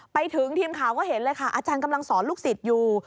ไปถึงทีมข่าวก็เห็นเลยค่ะอาจารย์กำลังสอนลูกศิษย์อยู่